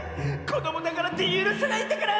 こどもだからってゆるせないんだから！